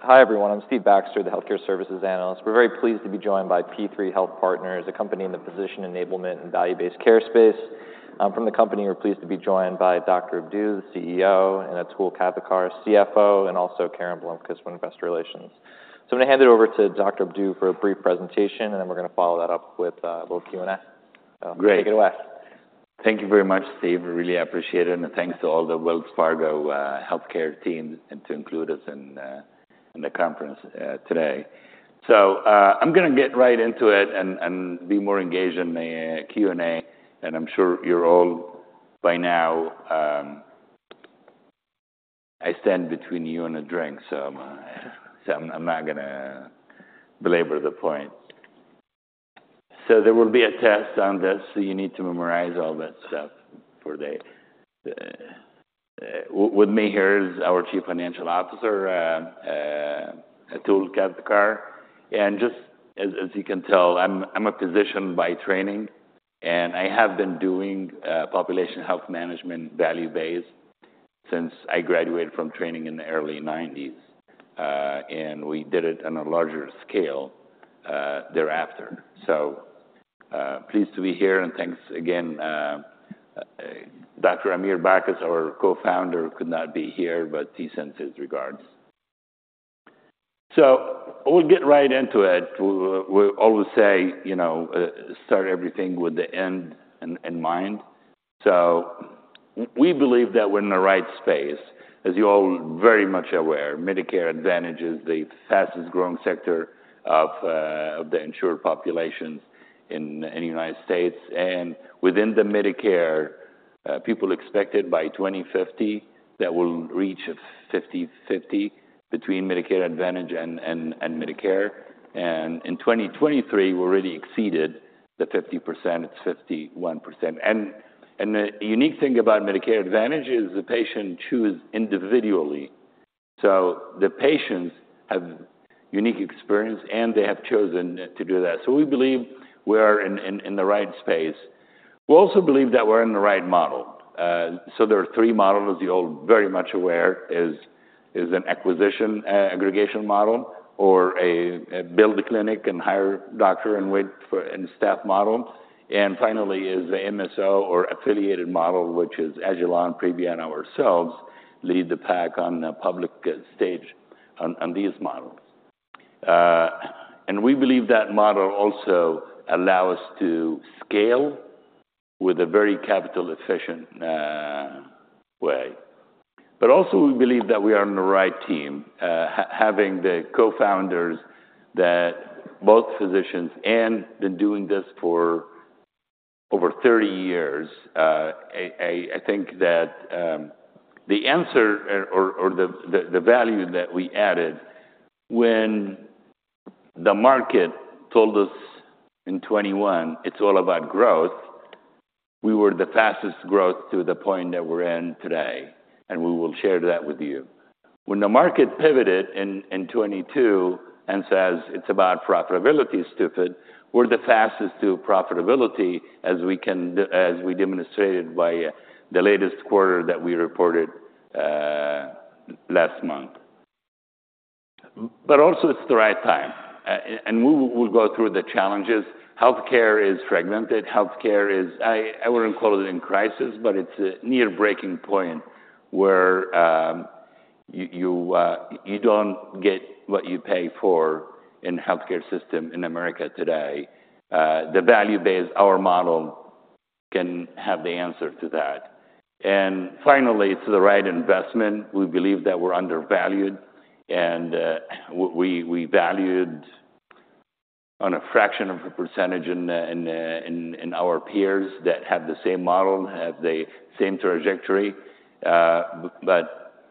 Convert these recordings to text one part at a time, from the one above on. Hi, everyone. I'm Steve Baxter, the healthcare services analyst. We're very pleased to be joined by P3 Health Partners, a company in the physician enablement and value-based care space. From the company, we're pleased to be joined by Dr. Abdou, the CEO, and Atul Kavthekar, CFO, and also Karen Blomquist from Investor Relations. So I'm gonna hand it over to Dr. Abdou for a brief presentation, and then we're gonna follow that up with both Q&A. Great. Take it away. Thank you very much, Steve. We really appreciate it, and thanks to all the Wells Fargo healthcare team, and to include us in the conference today. So, I'm gonna get right into it and be more engaged in the Q&A. And I'm sure you're all by now, I stand between you and a drink, so, so I'm not gonna belabor the point. So there will be a test on this, so you need to memorize all that stuff. With me here is our Chief Financial Officer, Atul Kavthekar. And just as you can tell, I'm a physician by training, and I have been doing population health management value-based since I graduated from training in the early nineties, and we did it on a larger scale thereafter. So, pleased to be here, and thanks again. Dr. Amir Bacchus, our co-founder, could not be here, but he sends his regards. So we'll get right into it. We always say, you know, start everything with the end in mind. So we believe that we're in the right space. As you're all very much aware, Medicare Advantage is the fastest growing sector of the insured populations in the United States. And within the Medicare, people expect it by 2050, that will reach a 50/50 between Medicare Advantage and Medicare. And in 2023, we already exceeded the 50%. It's 51%. And the unique thing about Medicare Advantage is the patient chooses individually. So the patients have unique experience, and they have chosen to do that. So we believe we are in the right space. We also believe that we're in the right model. So there are three models, as you're all very much aware, an acquisition aggregation model, or a build a clinic and hire doctor and wait for... and staff model. And finally, the MSO or affiliated model, which is Agilon, Privia, and ourselves lead the pack on the public stage on these models. And we believe that model also allow us to scale with a very capital efficient way. But also, we believe that we are on the right team. Having the co-founders, that both physicians and been doing this for over 30 years. I think that the answer or the value that we added when the market told us in 2021, "It's all about growth," we were the fastest growth to the point that we're in today, and we will share that with you. When the market pivoted in 2022 and says, "It's about profitability, stupid," we're the fastest to profitability, as we demonstrated by the latest quarter that we reported last month. Also, it's the right time, and we'll go through the challenges. Healthcare is fragmented. Healthcare is, I wouldn't call it in crisis, but it's near breaking point, where you don't get what you pay for in healthcare system in America today. The value base, our model, can have the answer to that. And finally, it's the right investment. We believe that we're undervalued, and we valued on a fraction of a percentage in our peers that have the same model, have the same trajectory, but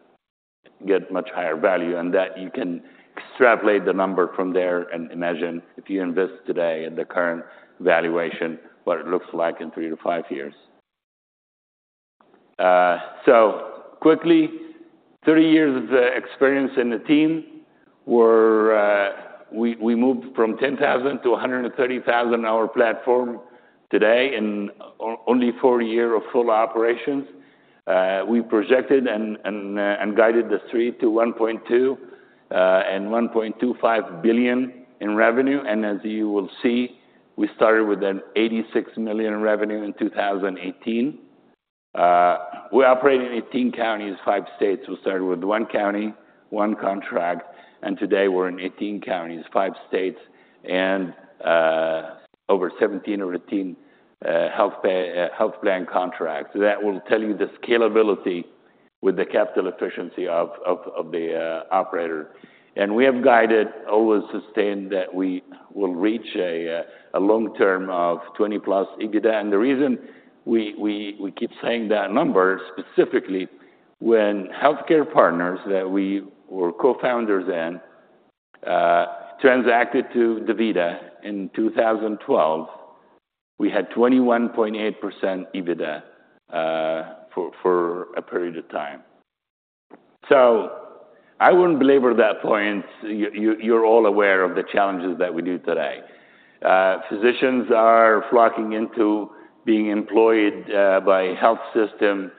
get much higher value. And that you can extrapolate the number from there and imagine if you invest today in the current valuation, what it looks like in three to five years. So quickly, 30 years of experience in the team. We're we moved from 10,000 to a 130,000-member platform today, in only four years of full operations. We projected and guided the street to $1.2-$1.25 billion in revenue. And as you will see, we started with $86 million in revenue in 2018. We operate in 18 counties, 5 states. We started with one county, one contract, and today we're in 18 counties, 5 states, and over 17 or 18 health plan contracts. That will tell you the scalability with the capital efficiency of the operator. And we have guided, always sustained, that we will reach a long term of 20+ EBITDA. And the reason we keep saying that number, specifically when HealthCare Partners that we were co-founders in transacted to DaVita in 2012, we had 21.8% EBITDA for a period of time. So I wouldn't belabor that point. You're all aware of the challenges that we do today. Physicians are flocking into being employed by health system,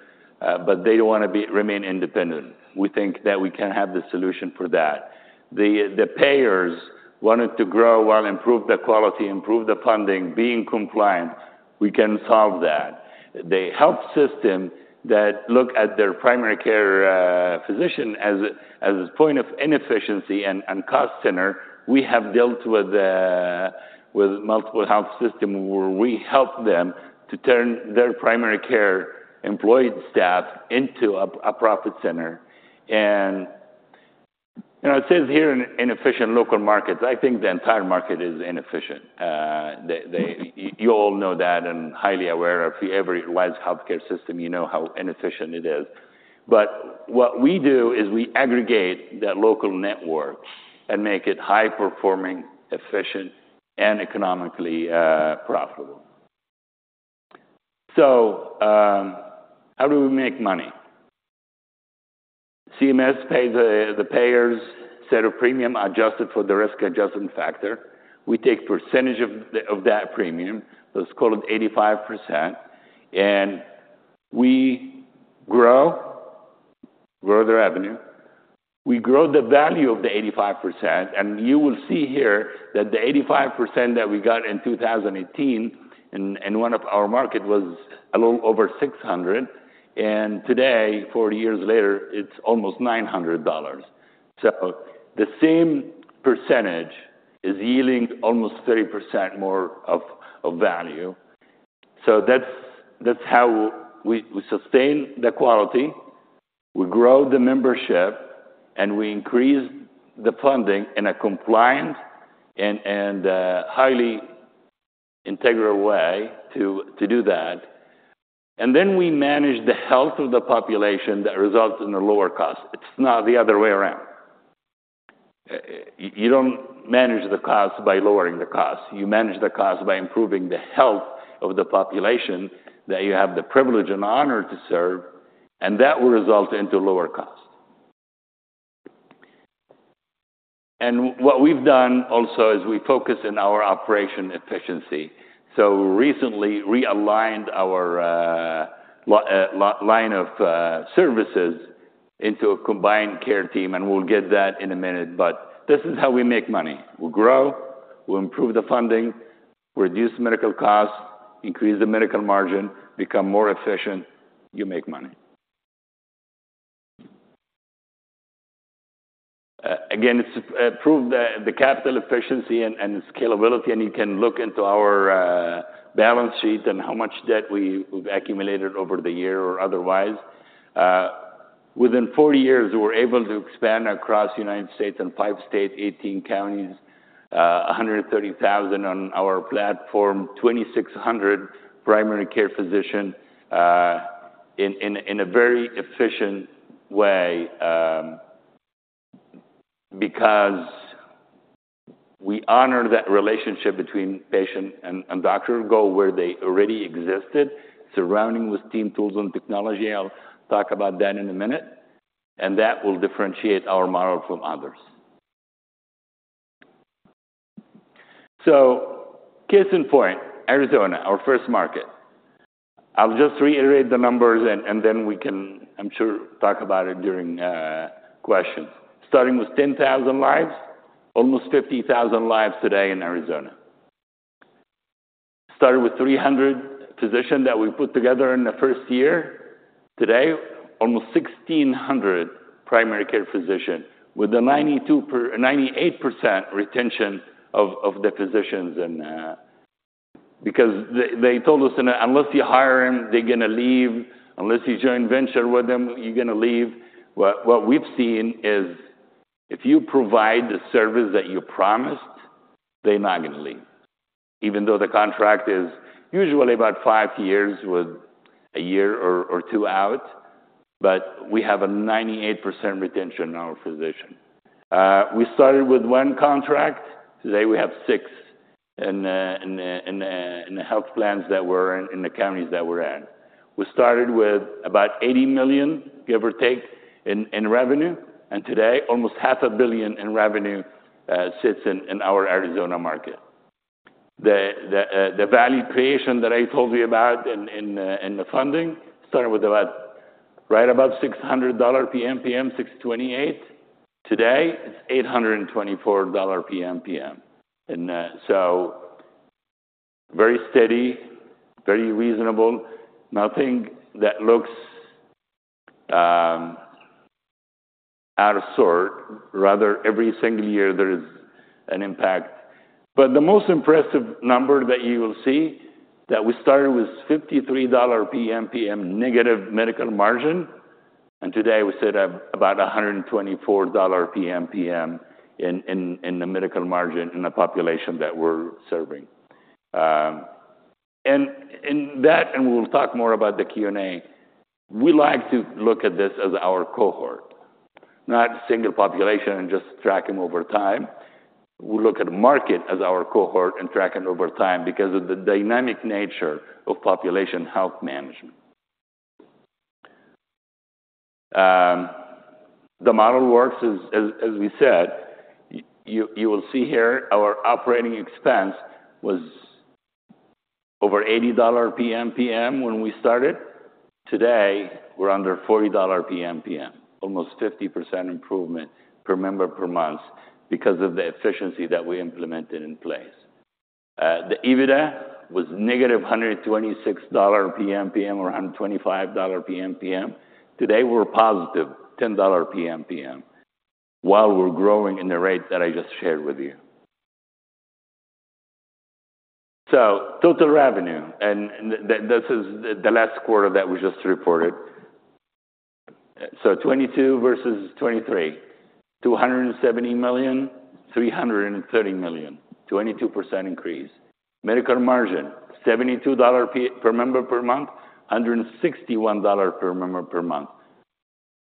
but they don't wanna remain independent. We think that we can have the solution for that. The payers wanted to grow while improve the quality, improve the funding, being compliant, we can solve that. The health system that look at their primary care physician as a point of inefficiency and cost center, we have dealt with multiple health system, where we help them to turn their primary care employed staff into a profit center. And, you know, it says here in inefficient local markets, I think the entire market is inefficient. You all know that and highly aware of every wise healthcare system, you know how inefficient it is. But what we do is we aggregate that local network and make it high-performing, efficient, and economically profitable. So, how do we make money? CMS pays the payers set a premium, adjusted for the risk adjustment factor. We take a percentage of that premium, let's call it 85%, and we grow their revenue. We grow the value of the 85%, and you will see here that the 85% that we got in 2018, in one of our market, was a little over 600, and today, four years later, it's almost $900. So the same percentage is yielding almost 30% more value. So that's how we sustain the quality, we grow the membership, and we increase the funding in a compliant and highly integral way to do that, and then we manage the health of the population that results in a lower cost. It's not the other way around. You don't manage the cost by lowering the cost, you manage the cost by improving the health of the population that you have the privilege and honor to serve, and that will result into lower cost. What we've done also is we focus in our operation efficiency, so recently realigned our line of services into a combined care team, and we'll get that in a minute, but this is how we make money. We grow, we improve the funding, reduce medical costs, increase the medical margin, become more efficient, you make money. Again, it's proved the capital efficiency and scalability, and you can look into our balance sheet and how much debt we've accumulated over the year or otherwise. Within four years, we were able to expand across the United States in 5 states, 18 counties, 130,000 on our platform, 2,600 primary care physician, in a very efficient way, because we honor that relationship between patient and doctor, go where they already existed, surrounding with team tools and technology. I'll talk about that in a minute, and that will differentiate our model from others. So case in point, Arizona, our first market. I'll just reiterate the numbers and then we can, I'm sure, talk about it during questions. Starting with 10,000 lives, almost 50,000 lives today in Arizona. Started with 300 physician that we put together in the first year, today, almost 1,600 primary care physician, with a 92%-98% retention of the physicians. And because they told us, "Unless you hire them, they're gonna leave. Unless you joint venture with them, you're gonna leave." What we've seen is if you provide the service that you promised, they're not gonna leave. Even though the contract is usually about five years with a year or two out, but we have a 98% retention of our physician. We started with one contract, today we have six in the health plans that we're in, in the counties that we're in. We started with about $80 million, give or take, in revenue, and today, almost $500 million in revenue sits in our Arizona market. The value creation that I told you about in the funding started with about, right about $600 PMPM, $628. Today, it's $824 PMPM. And so very steady, very reasonable. Nothing that looks out of sort, rather, every single year there is an impact. But the most impressive number that you will see, that we started with $53 PMPM negative medical margin, and today we sit at about $124 PMPM in the medical margin, in the population that we're serving. And in that, and we'll talk more about the Q&A, we like to look at this as our cohort, not single population and just track them over time. We look at market as our cohort and track them over time because of the dynamic nature of population health management. The model works as we said. You will see here our operating expense was over $80 PMPM when we started. Today, we're under $40 PMPM, almost 50% improvement per member per month because of the efficiency that we implemented in place. The EBITDA was negative $126 PMPM or $125 PMPM. Today, we're positive $10 PMPM, while we're growing in the rate that I just shared with you. So total revenue, and this is the last quarter that we just reported. So 2022 versus 2023, $270 million, $330 million, 22% increase. Medical margin, $72 per member per month, $161 per member per month,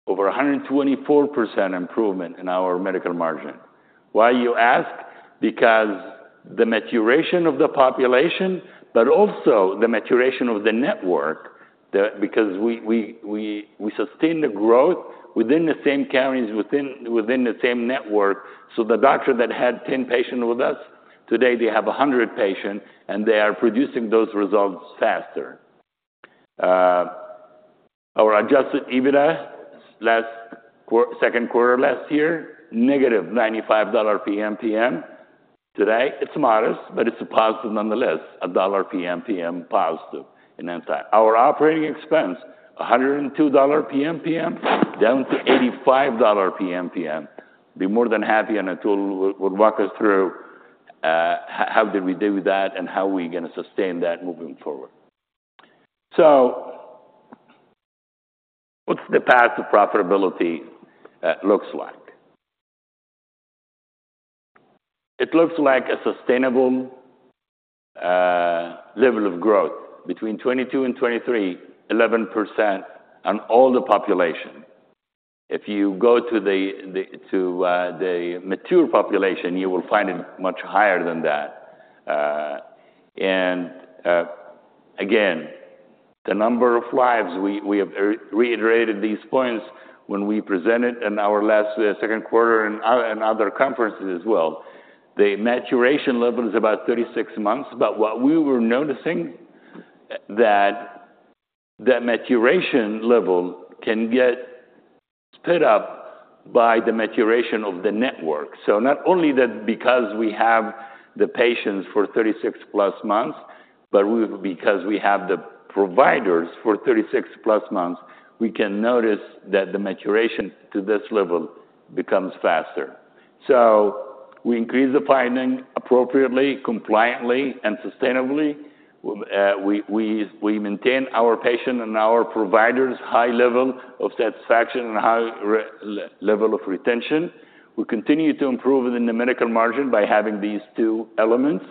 over a 124% improvement in our medical margin. Why, you ask? Because the maturation of the population, but also the maturation of the network, the... Because we sustain the growth within the same counties, within the same network. So the doctor that had 10 patients with us, today, they have 100 patients, and they are producing those results faster. Our adjusted EBITDA second quarter last year, -$95 PMPM. Today, it's modest, but it's a positive nonetheless, $1 PMPM positive in end time. Our operating expense, $102 PMPM, down to $85 PMPM. Be more than happy, and Atul will walk us through how did we do with that and how we're gonna sustain that moving forward. So what's the path to profitability looks like? It looks like a sustainable level of growth between 2022 and 2023, 11% on all the population. If you go to the mature population, you will find it much higher than that. Again, the number of lives, we have reiterated these points when we presented in our last second quarter and other conferences as well. The maturation level is about 36 months, but what we were noticing, that the maturation level can get sped up by the maturation of the network. So not only that because we have the patients for 36+ months, but because we have the providers for 36+ months, we can notice that the maturation to this level becomes faster. So we increase the planning appropriately, compliantly, and sustainably. We maintain our patient and our providers' high level of satisfaction and high level of retention. We continue to improve in the medical margin by having these two elements,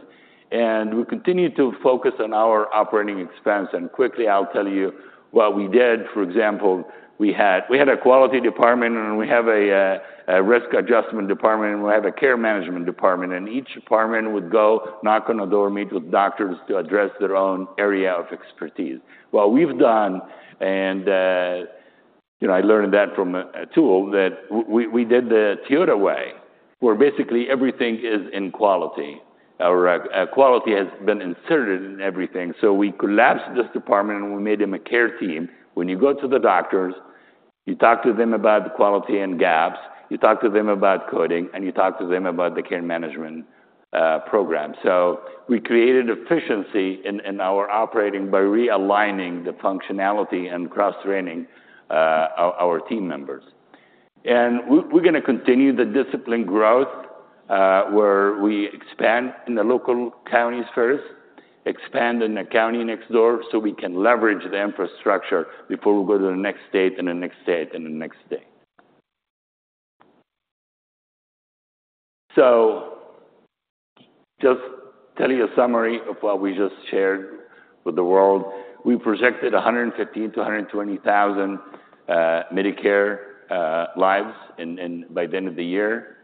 and we continue to focus on our operating expense. Quickly, I'll tell you what we did. For example, we had, we had a quality department, and we have a risk adjustment department, and we have a care management department. Each department would go knock on the door, meet with doctors to address their own area of expertise. What we've done, and, you know, I learned that from Atul, that we, we did the Toyota Way, where basically everything is in quality. Our quality has been inserted in everything, so we collapsed this department, and we made them a care team. When you go to the doctors, you talk to them about the quality and gaps, you talk to them about coding, and you talk to them about the care management program. So we created efficiency in our operating by realigning the functionality and cross-training our team members. And we're gonna continue the disciplined growth, where we expand in the local counties first, expand in the county next door, so we can leverage the infrastructure before we go to the next state and the next state and the next state. So just tell you a summary of what we just shared with the world. We projected 115-120 thousand Medicare lives in by the end of the year.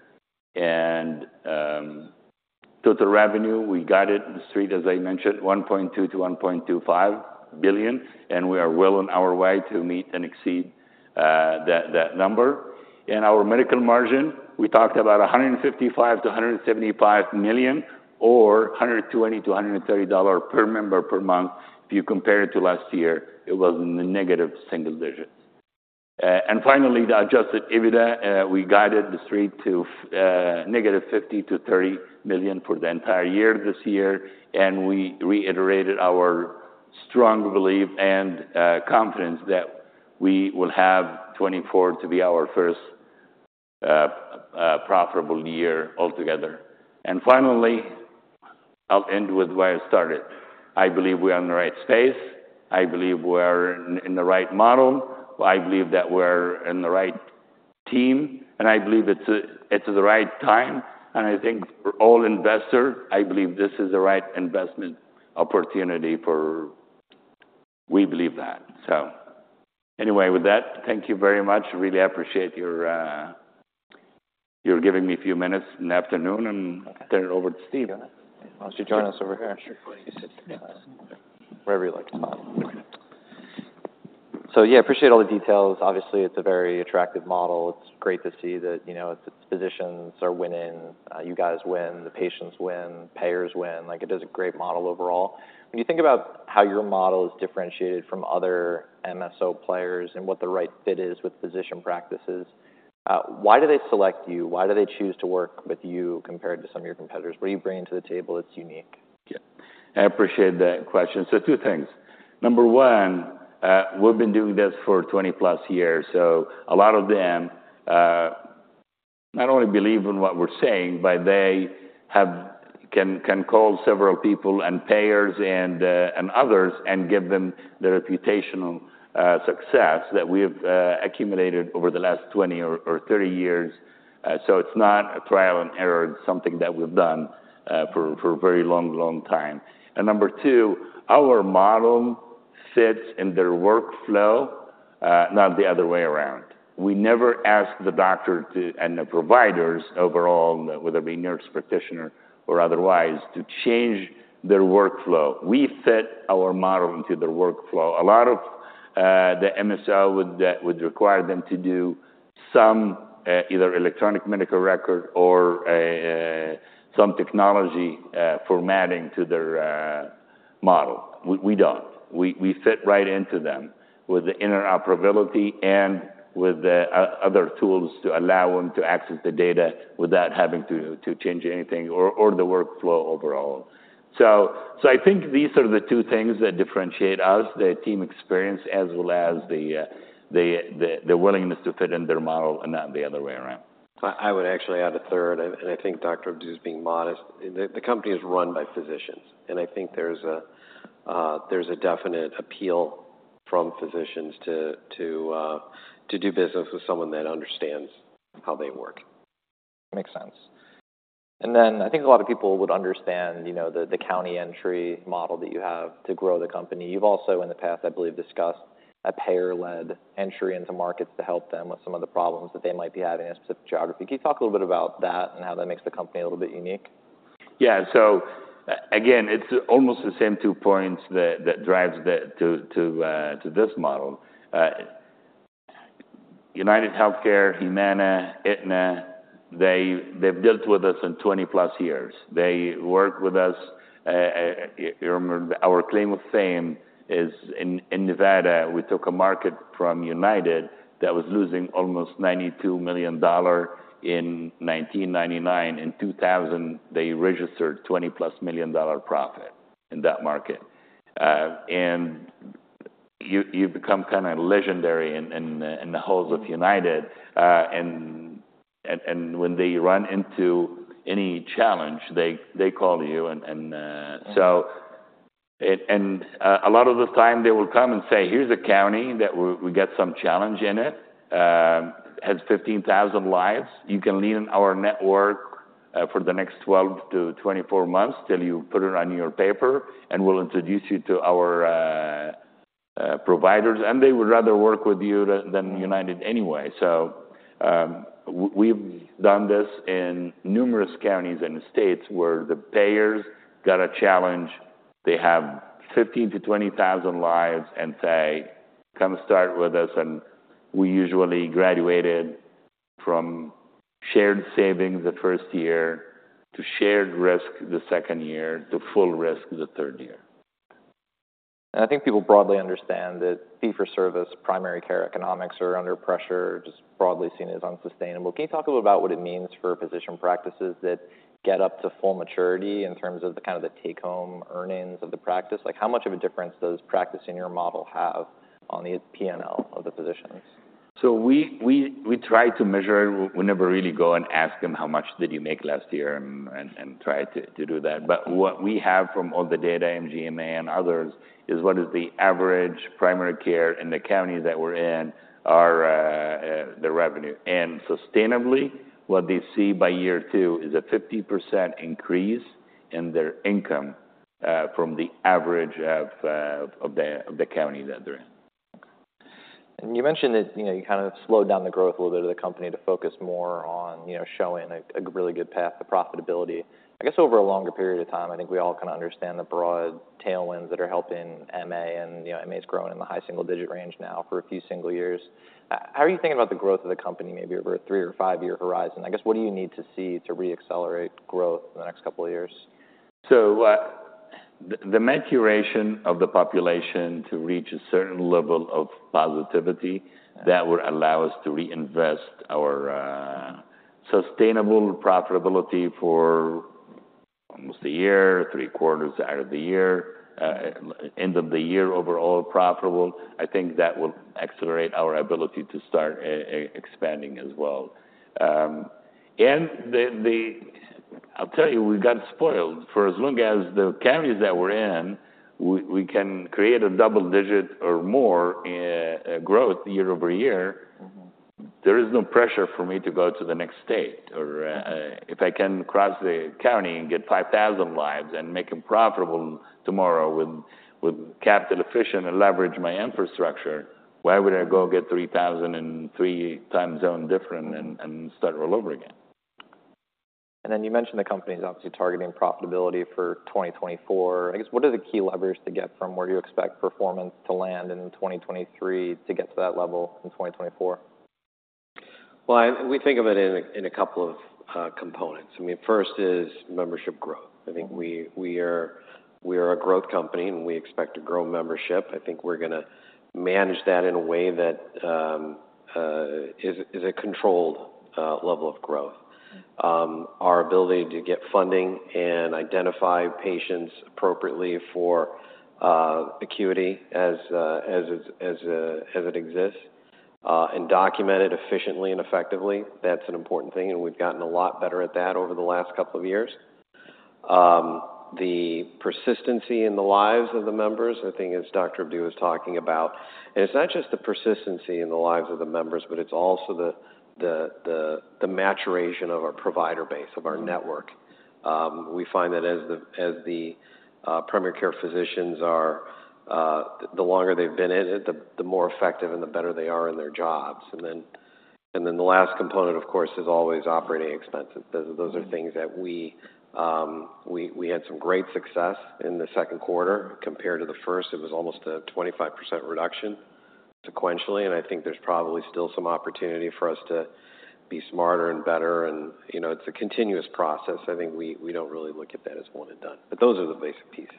Total revenue, we guided the street, as I mentioned, $1.2 billion-$1.25 billion, and we are well on our way to meet and exceed that number. In our medical margin, we talked about $155 million-$175 million or $120-$130 per member per month. If you compare it to last year, it was in the negative single digits. Finally, the adjusted EBITDA, we guided the street to -$50 million to $30 million for the entire year this year, and we reiterated our strong belief and confidence that we will have 2024 to be our first profitable year altogether. Finally, I'll end with where I started. I believe we are in the right space. I believe we're in the right model. I believe that we're in the right team, and I believe it's the right time. I think for all investors, I believe this is the right investment opportunity for... We believe that. Anyway, with that, thank you very much. Really appreciate your giving me a few minutes in the afternoon, and I'll turn it over to Steve. Why don't you join us over here? Sure. Wherever you like. So yeah, appreciate all the details. Obviously, it's a very attractive model. It's great to see that, you know, it's, physicians are winning, you guys win, the patients win, payers win. Like, it is a great model overall. When you think about how your model is differentiated from other MSO players and what the right fit is with physician practices, why do they select you? Why do they choose to work with you compared to some of your competitors? What are you bringing to the table that's unique? Yeah, I appreciate that question. So 2 things. Number 1, we've been doing this for 20-plus years, so a lot of them not only believe in what we're saying, but they can call several people and payers and others and give them the reputational success that we have accumulated over the last 20 or 30 years. So it's not a trial and error, it's something that we've done for a very long time. And number 2, our model fits in their workflow, not the other way around. We never ask the doctor and the providers overall, whether it be nurse practitioner or otherwise, to change their workflow. We fit our model into their workflow. A lot of, the MSO would require them to do some either electronic medical record or a some technology formatting to their model. We don't. We fit right into them with the interoperability and with the other tools to allow them to access the data without having to change anything or the workflow overall. So I think these are the two things that differentiate us, the team experience, as well as the willingness to fit in their model and not the other way around. I would actually add a third, and I think Dr. Abdou is being modest. The company is run by physicians, and I think there's a definite appeal from physicians to do business with someone that understands how they work. Makes sense. And then I think a lot of people would understand, you know, the county entry model that you have to grow the company. You've also, in the past, I believe, discussed a payer-led entry into markets to help them with some of the problems that they might be having in a specific geography. Can you talk a little bit about that and how that makes the company a little bit unique? Yeah. So again, it's almost the same two points that drives to this model. UnitedHealthcare, Humana, Aetna, they've dealt with us in 20+ years. They work with us. Our claim of fame is in Nevada, we took a market from United that was losing almost $92 million in 1999. In 2000, they registered $20+ million profit in that market. And you become kinda legendary in the halls of United. And when they run into any challenge, they call you. And a lot of the time they will come and say, "Here's a county that we got some challenge in it. Has 15,000 lives. You can lean on our network for the next 12-24 months till you put it on your paper, and we'll introduce you to our providers, and they would rather work with you than United anyway. So, we've done this in numerous counties and states where the payers got a challenge. They have 15,000-20,000 lives and say, "Come start with us." And we usually graduated from shared savings the first year, to shared risk the second year, to full risk the third year. I think people broadly understand that fee-for-service primary care economics are under pressure, just broadly seen as unsustainable. Can you talk a little about what it means for physician practices that get up to full maturity in terms of the kind of the take-home earnings of the practice? Like, how much of a difference does practicing your model have on the P&L of the physicians? So we try to measure. We never really go and ask them, "How much did you make last year?" and try to do that. But what we have from all the data in MGMA and others is what is the average primary care in the counties that we're in are the revenue. And sustainably, what they see by year two is a 50% increase in their income from the average of the county that they're in. You mentioned that, you know, you kind of slowed down the growth a little bit of the company to focus more on, you know, showing a really good path to profitability. I guess over a longer period of time, I think we all can understand the broad tailwinds that are helping MA, and, you know, MA's grown in the high single-digit range now for a few single years. How are you thinking about the growth of the company, maybe over a three- or five-year horizon? I guess, what do you need to see to re-accelerate growth in the next couple of years? So, the maturation of the population to reach a certain level of positivity, that would allow us to reinvest our sustainable profitability for almost a year, three quarters out of the year, end of the year, overall profitable. I think that will accelerate our ability to start expanding as well. And I'll tell you, we've got spoiled. For as long as the counties that we're in, we can create a double-digit or more growth year-over-year- Mm-hmm... there is no pressure for me to go to the next state. Or, if I can cross the country and get 5,000 lives and make them profitable tomorrow with capital efficient and leverage my infrastructure, why would I go get 3,000 in three different time zones and start all over again? And then you mentioned the company is obviously targeting profitability for 2024. I guess, what are the key levers to get from where you expect performance to land in 2023 to get to that level in 2024? Well, we think of it in a couple of components. I mean, first is membership growth. I think we are a growth company, and we expect to grow membership. I think we're gonna manage that in a way that is a controlled level of growth. Our ability to get funding and identify patients appropriately for acuity as it exists, and document it efficiently and effectively, that's an important thing, and we've gotten a lot better at that over the last couple of years. The persistency in the lives of the members, I think, as Dr. Abdou was talking about. And it's not just the persistency in the lives of the members, but it's also the maturation of our provider base, of our network. We find that as the primary care physicians are the longer they've been in it, the more effective and the better they are in their jobs. And then the last component, of course, is always operating expenses. Those are things that we had some great success in the second quarter compared to the first. It was almost a 25% reduction sequentially, and I think there's probably still some opportunity for us to be smarter and better and, you know, it's a continuous process. I think we don't really look at that as one and done. But those are the basic pieces.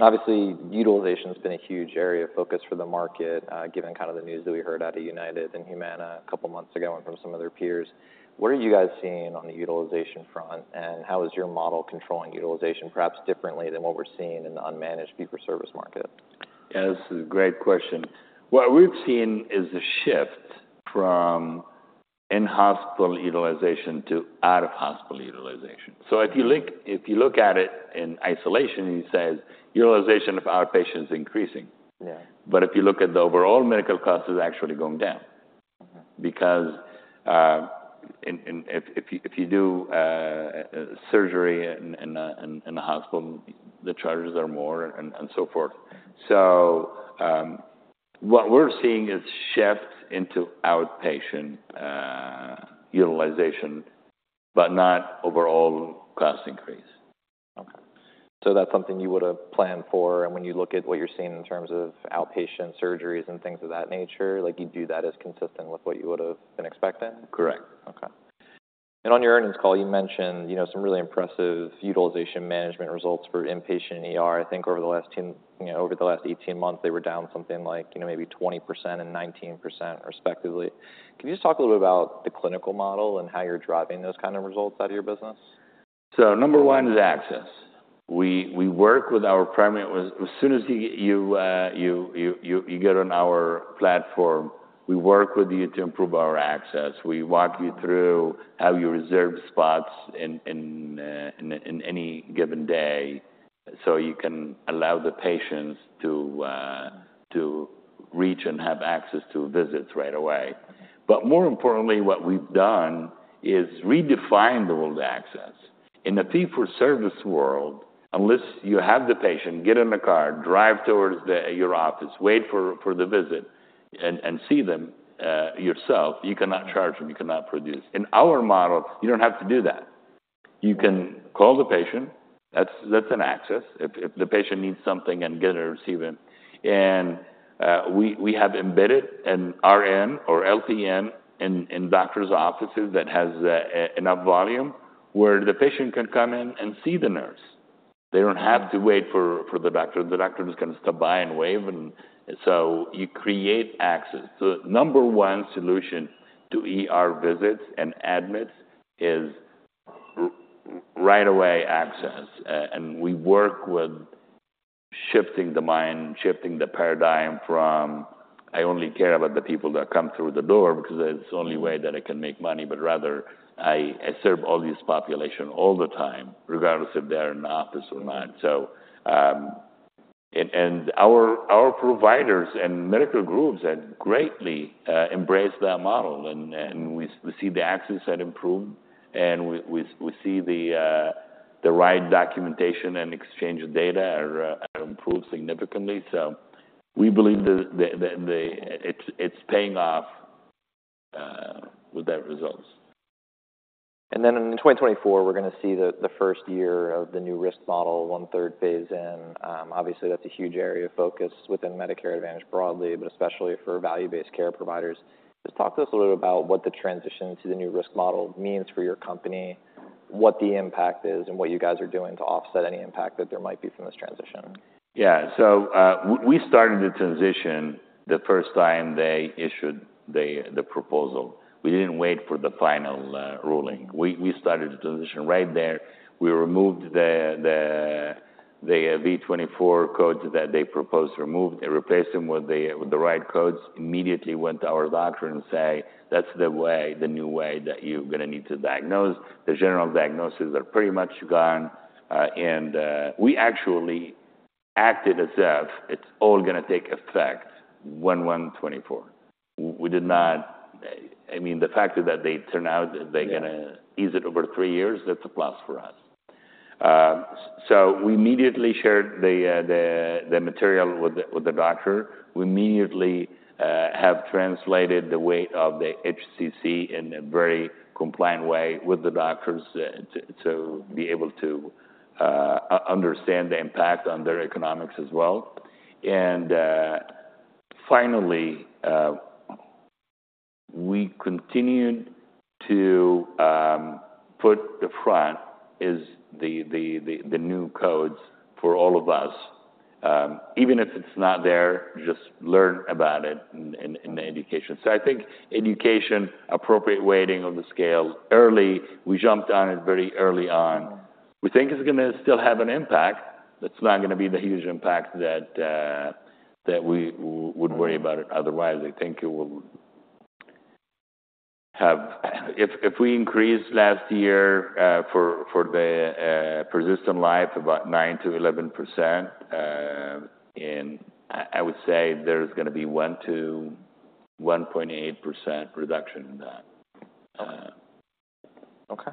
Obviously, utilization has been a huge area of focus for the market, given kind of the news that we heard out of United and Humana a couple of months ago and from some of their peers. What are you guys seeing on the utilization front, and how is your model controlling utilization, perhaps differently than what we're seeing in the unmanaged fee-for-service market? Yeah, this is a great question. What we've seen is a shift from in-hospital utilization to out-of-hospital utilization. So if you look at it in isolation, it says utilization of our patients is increasing. Yeah. If you look at the overall medical cost, is actually going down. Mm-hmm. Because, in... If you do surgery in a hospital, the charges are more and so forth. So, what we're seeing is shift into outpatient utilization, but not overall cost increase. Okay. So that's something you would have planned for, and when you look at what you're seeing in terms of outpatient surgeries and things of that nature, like, you'd view that as consistent with what you would have been expecting? Correct. Okay. And on your earnings call, you mentioned, you know, some really impressive utilization management results for inpatient and ER. I think over the last 10, you know, over the last 18 months, they were down something like, you know, maybe 20% and 19%, respectively. Can you just talk a little bit about the clinical model and how you're driving those kind of results out of your business? So number one is access. We work with our primary. As soon as you get on our platform, we work with you to improve our access. We walk you through how you reserve spots in any given day, so you can allow the patients to reach and have access to visits right away. But more importantly, what we've done is redefined the world access. In the fee-for-service world, unless you have the patient get in the car, drive towards your office, wait for the visit and see them yourself, you cannot charge them. You cannot produce. In our model, you don't have to do that. You can call the patient. That's an access if the patient needs something and get a receiving. We have embedded an RN or LPN in doctor's offices that has enough volume, where the patient can come in and see the nurse. They don't have to wait for the doctor. The doctor is gonna stop by and wave. So you create access. The number one solution to ER visits and admits is right away access. We work with shifting the mind, shifting the paradigm from, "I only care about the people that come through the door because that's the only way that I can make money," but rather, I serve all this population all the time, regardless if they're in the office or not. So, our providers and medical groups have greatly embraced that model, and we see the access had improved, and we see the right documentation and exchange of data are improved significantly. So we believe the... It's paying off with the results. And then in 2024, we're gonna see the first year of the new risk model, one-third phase in. Obviously, that's a huge area of focus within Medicare Advantage broadly, but especially for value-based care providers. Just talk to us a little about what the transition to the new risk model means for your company, what the impact is, and what you guys are doing to offset any impact that there might be from this transition. Yeah. So, we started the transition the first time they issued the, the proposal. We didn't wait for the final, ruling. We, we started the transition right there. We removed the, the, the V24 codes that they proposed, removed and replaced them with the, with the right codes. Immediately went to our doctor and say, "That's the way, the new way, that you're gonna need to diagnose." The general diagnoses are pretty much gone, and, we actually acted as if it's all gonna take effect 1/1/2024. We did not... I mean, the fact that they turn out, they're gonna- Yeah... ease it over three years, that's a plus for us. So we immediately shared the material with the doctor. We immediately have translated the weight of the HCC in a very compliant way with the doctors to be able to understand the impact on their economics as well. And finally, we continued to put the front is the new codes for all of us. Even if it's not there, just learn about it in the education. So I think education, appropriate weighting of the scale. Early, we jumped on it very early on. We think it's gonna still have an impact. It's not gonna be the huge impact that we would worry about it. Otherwise, I think it will have. If we increased last year, for the persistent life, about 9%-11%, and I would say there's gonna be 1%-1.8% reduction in that. Okay.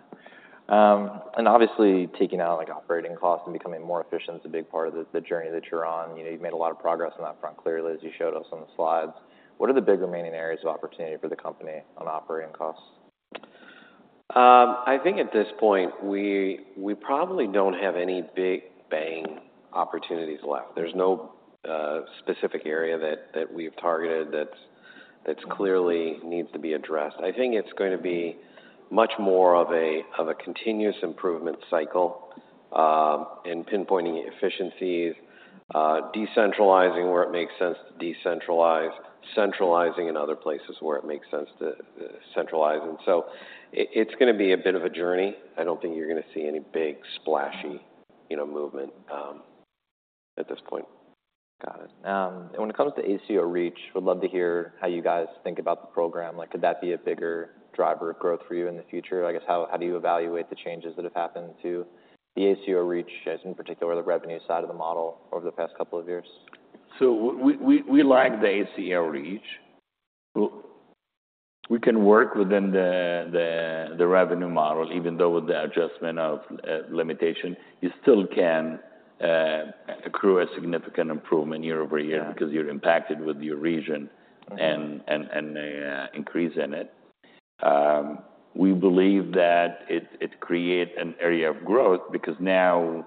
And obviously, taking out, like, operating costs and becoming more efficient is a big part of the journey that you're on. You know, you've made a lot of progress on that front, clearly, as you showed us on the slides. What are the big remaining areas of opportunity for the company on operating costs? I think at this point, we probably don't have any big bang opportunities left. There's no specific area that we've targeted that clearly needs to be addressed. I think it's going to be much more of a continuous improvement cycle in pinpointing efficiencies, decentralizing where it makes sense to decentralize, centralizing in other places where it makes sense to centralize. So it's gonna be a bit of a journey. I don't think you're gonna see any big, splashy, you know, movement at this point. Got it. When it comes to ACO REACH, would love to hear how you guys think about the program. Like, could that be a bigger driver of growth for you in the future? I guess, how do you evaluate the changes that have happened to the ACO REACH, as in particular, the revenue side of the model over the past couple of years? So we like the ACO REACH. We can work within the revenue model, even though with the adjustment of limitation, you still can accrue a significant improvement year over year- Yeah - because you're impacted with your region and the increase in it. We believe that it create an area of growth because now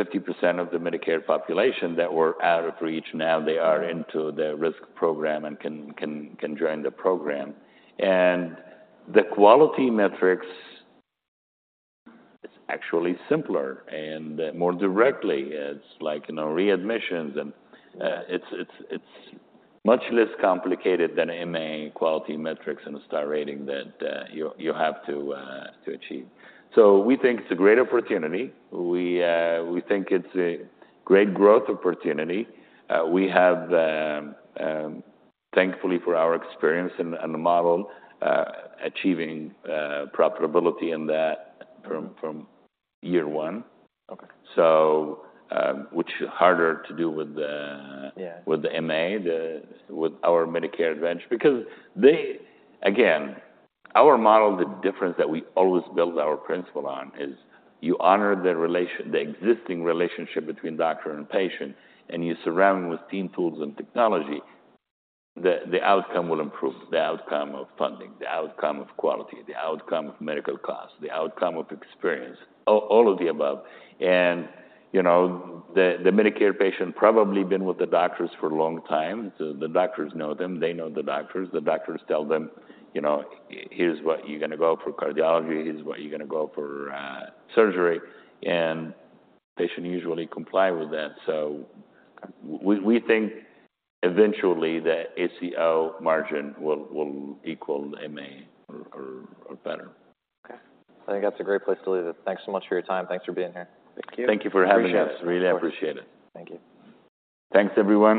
50% of the Medicare population that were out of reach, now they are into the risk program and can join the program. And the quality metrics, it's actually simpler and more directly. It's like, you know, readmissions, and it's much less complicated than MA quality metrics and the star rating that you have to achieve. So we think it's a great opportunity. We think it's a great growth opportunity. We have, thankfully for our experience and the model, achieving profitability in that from year one. Okay. So, which is harder to do with the- Yeah with the MA, with our Medicare Advantage, because they... Again, our model, the difference that we always build our principle on, is you honor the relation, the existing relationship between doctor and patient, and you surround with team tools and technology, the outcome will improve, the outcome of funding, the outcome of quality, the outcome of medical costs, the outcome of experience, all, all of the above. And, you know, the Medicare patient probably been with the doctors for a long time, so the doctors know them, they know the doctors. The doctors tell them, "You know, here's what you're gonna go for cardiology. Here's what you're gonna go for, surgery." And patient usually comply with that. So we think eventually the ACO margin will equal MA or better. Okay. I think that's a great place to leave it. Thanks so much for your time. Thanks for being here. Thank you. Thank you for having us. Appreciate it. Really appreciate it. Thank you. Thanks, everyone.